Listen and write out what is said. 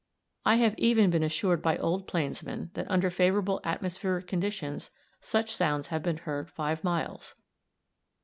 I have even been assured by old plainsmen that under favorable atmospheric conditions such sounds have been heard five miles.